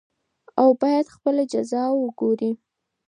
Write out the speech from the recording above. او بايد خپله جزا وګوري .